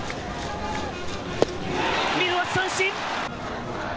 見逃し三振。